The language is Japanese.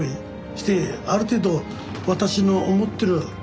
してある程度私の思ってる知識